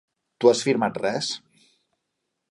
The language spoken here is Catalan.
Tu has firmat res?